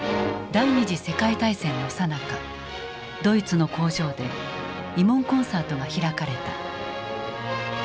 第二次世界大戦のさなかドイツの工場で慰問コンサートが開かれた。